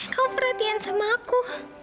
kau perhatian sama aku